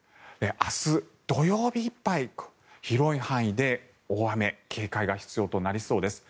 明日土曜日いっぱい広い範囲で大雨警戒が必要となりそうです。